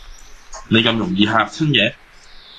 你咁容易嚇親嘅